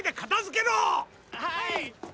はい！